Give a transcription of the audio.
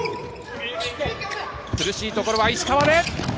苦しいところは石川で。